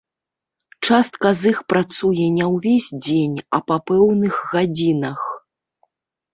Частка з іх працуе не ўвесь дзень, а па пэўных гадзінах.